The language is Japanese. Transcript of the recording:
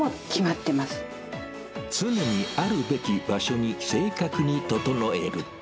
常にあるべき場所に正確に整える。